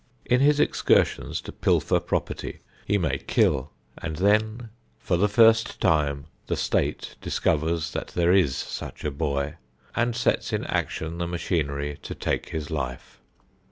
In his excursions to pilfer property he may kill, and then for the first time the State discovers that there is such a boy and sets in action the machinery to take his life.